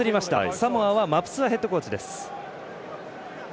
サモアはマプスアヘッドコーチです。